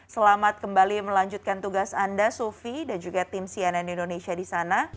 selamat kembali melanjutkan tugas anda sufi dan juga tim cnn indonesia di sana